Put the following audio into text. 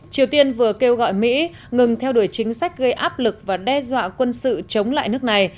triều tiên vừa kêu gọi mỹ ngừng theo đuổi chính sách gây áp lực và đe dọa quân sự chống lại nước này